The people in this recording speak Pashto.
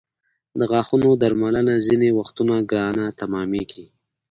د غاښونو درملنه ځینې وختونه ګرانه تمامېږي.